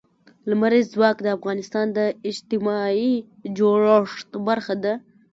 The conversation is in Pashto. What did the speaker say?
لمریز ځواک د افغانستان د اجتماعي جوړښت برخه ده.